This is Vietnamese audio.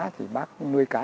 thì bác nuôi cá